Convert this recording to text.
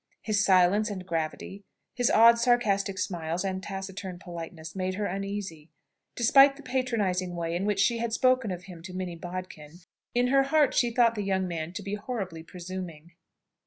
His silence and gravity, his odd sarcastic smiles, and taciturn politeness, made her uneasy. Despite the patronising way in which she had spoken of him to Minnie Bodkin, in her heart she thought the young man to be horribly presuming.